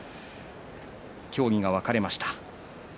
協議が分かれました。